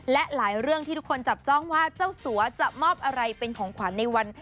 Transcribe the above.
และหลายเรื่องที่ทุกคนจับจ้องว่าเจ้าสัวจะมอบอะไรเป็นของขวัญในวัน